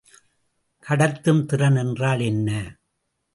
கடத்தும் திறன் என்றால் என்ன?